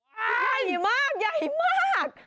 ใหญ่มากใหญ่มาก